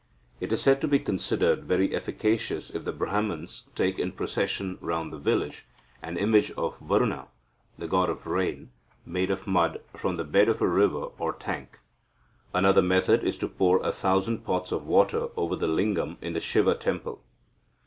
It is said to be considered very efficacious if the Brahmans take in procession round the village an image of Varuna (the god of rain) made of mud from the bed of a river or tank. Another method is to pour a thousand pots of water over the lingam in the Siva temple.